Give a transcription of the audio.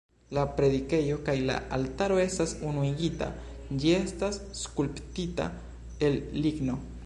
La predikejo kaj la altaro estas unuigita, ĝi estas skulptita el ligno.